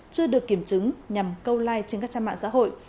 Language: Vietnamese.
chưa được kiểm chứng nhằm câu like trên các trang mạng xã hội